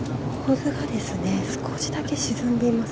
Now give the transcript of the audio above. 少しだけ沈んでいます。